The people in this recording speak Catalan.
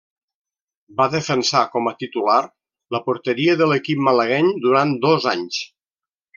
Va defensar com a titular la porteria de l'equip malagueny durant dos anys.